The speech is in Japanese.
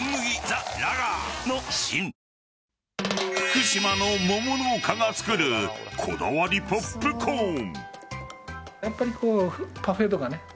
福島の桃農家が作るこだわりポップコーン。